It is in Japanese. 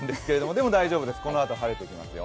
でも大丈夫です、このあと晴れてきますよ。